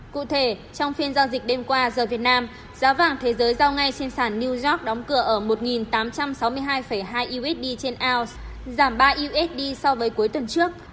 cụ thể trong phiên giao dịch đêm qua giờ việt nam giá vàng thế giới giao ngay trên sản new york đóng cửa ở một tám trăm sáu mươi hai hai usd trên ounce giảm ba usd so với cuối tuần trước